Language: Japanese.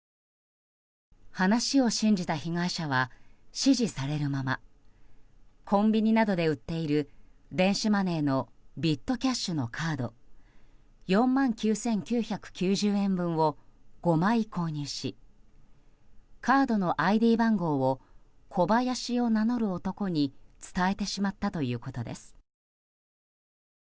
話を信じた被害者は指示されるままコンビニなどで売っている電子マネーのビットキャッシュのカード４万９９９０円分を５枚購入しカードのＩＤ番号をコバヤシを名乗る男に伝えてしまったということです。